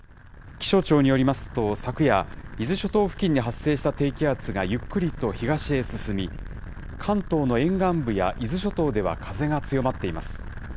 気象庁によりますと、昨夜、伊豆諸島付近に発生した低気圧がゆっくりと東へ進み、関東の沿岸部や伊豆諸島では風が強まっています。